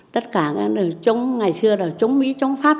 tất cả cái này trong ngày xưa là trong mỹ trong pháp